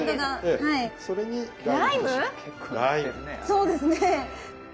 そうですね。